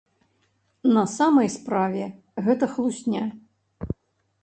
На самай справе гэта хлусня.